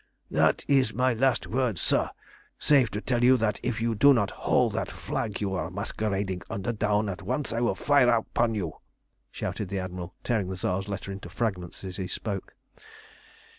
"That is my last word, sir, save to tell you that if you do not haul that flag you are masquerading under down at once I will fire upon you," shouted the Admiral, tearing the Tsar's letter into fragments as he spoke.